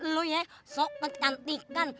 lo ya sok kecantikan